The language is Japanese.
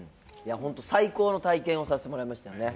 最高の体験をさせてもらいましたよね。